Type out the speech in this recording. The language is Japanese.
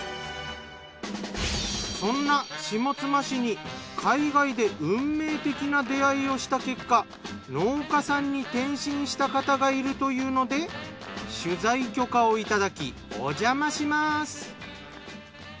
そんな下妻市に海外で運命的な出会いをした結果農家さんに転身した方がいるというので取材許可をいただきおじゃまします。